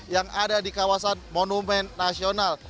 yang ada di kawasan monumen nasional